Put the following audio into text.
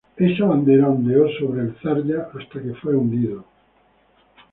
Esa bandera ondeó sobre el "Zarya" hasta que fue hundido.